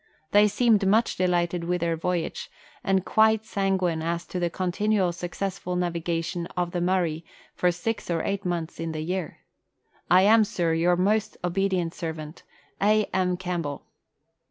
They seemed much delighted with their voyage, and quite sanguine as to the continual successful naviga tion of the Murray for six or eight months in the year. I am, Sir, Your obedient servant, A. M. CAMPBELL.